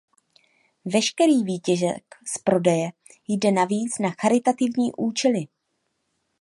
Veškerý výtěžek z prodeje jde navíc na charitativní účely.